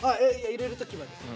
入れる時はですよ。